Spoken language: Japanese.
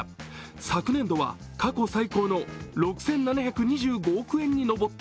昨年度は過去最高の６７２５億円に上った。